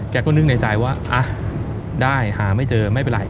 ก็นึกในใจว่าได้หาไม่เจอไม่เป็นไร